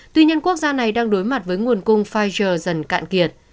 tuy nhiên quốc gia này đang đối mặt với nguồn cung pfizer dần cạn kiệt